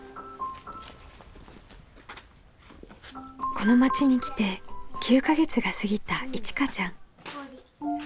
この町に来て９か月が過ぎたいちかちゃん。